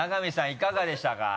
いかがでしたか？